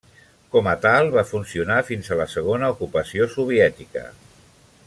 Com a tal, va funcionar fins a la segona ocupació soviètica.